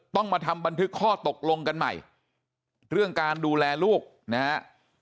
ต้องมาทำบันทึกข้อตกลงกันใหม่เรื่องการดูแลลูกนะฮะ